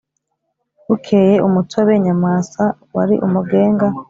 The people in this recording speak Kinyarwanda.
. Bukeye umutsobe Nyamwasa wari umugenga